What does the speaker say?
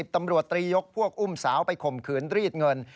ตำรวจตรียกพวกอุ้มสาวไปข่มขืนรีดเงิน